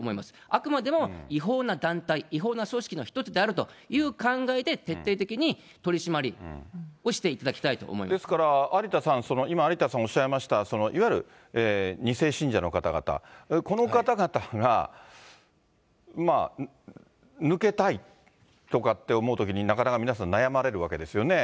あくまでも違法な団体、違法な組織の一つであるという考えで、徹底的に取締りをしていたですから、有田さん、今、有田さんおっしゃいました、いわゆる２世信者の方々、この方々が、抜けたいとかって思うときに、なかなか皆さん、悩まれるわけですよね。